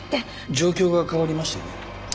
状況が変わりましてね。